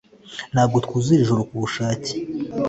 Ntabwo twuzura ijoro kubushake